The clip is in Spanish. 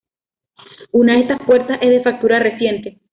Una de estas puertas es de factura reciente.